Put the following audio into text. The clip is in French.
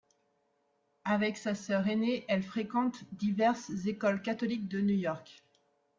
Avec sa sœur ainée, elle fréquente diverses écoles catholiques de New York.